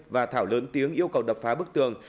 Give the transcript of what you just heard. và thảo lớn tiếng yêu cầu đập phá bức tường